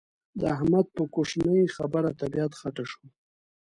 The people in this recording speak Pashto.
د احمد په کوشنۍ خبره طبيعت خټه شو.